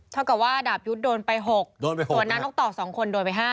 เท่ากับว่าดาบยุทธ์โดนไป๖โดนไป๖ส่วนนางนกต่อ๒คนโดนไป๕